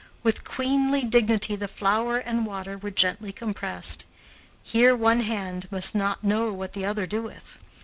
With queenly dignity the flour and water were gently compressed. Here one hand must not know what the other doeth.